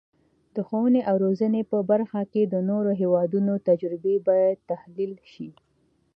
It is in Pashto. د ښوونې او روزنې په برخه کې د نورو هیوادونو تجربې باید تحلیل شي.